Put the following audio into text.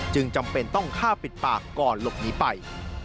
จำเป็นต้องฆ่าปิดปากก่อนหลบหนีไป